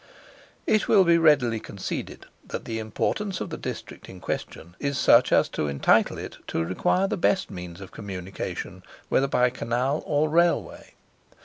It will be readily conceded that the importance of the district in question is such as to entitle it to require the best means of communication, whether by Canal or Railway.